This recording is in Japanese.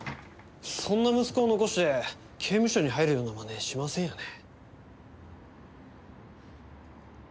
そんな息子を残して刑務所に入るようなまねしませんよね？